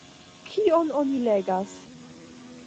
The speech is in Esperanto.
Kion oni legas?